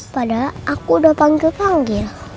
padahal aku sudah panggil panggil